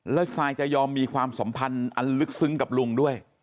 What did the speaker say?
แล้วซายจะยอมมีความสัมพันธ์อันลึกซึ้งกับลุงด้วย